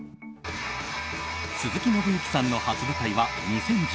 鈴木伸之さんの初舞台は２０１０年。